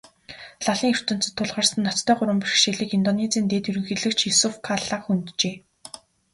Лалын ертөнцөд тулгарсан ноцтой гурван бэрхшээлийг Индонезийн дэд ерөнхийлөгч Юсуф Калла хөнджээ.